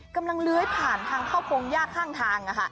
กำลังเลื้อยผ่านทางข้าวโพงย่าข้างทาง